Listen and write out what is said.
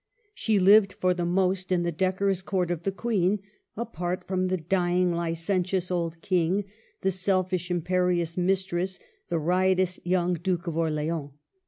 She hved, for the most, in the decorous Court of the Queen, apart from the dying, Hcen tious old King, the selfish, imperious mistress, the riotous young Duke of Orleans.